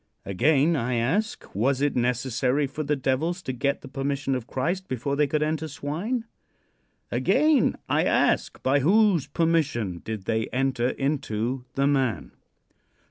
Again I ask: Was it necessary for the devils to get the permission of Christ before they could enter swine? Again I ask: By whose permission did they enter into the man?